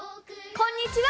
こんにちは！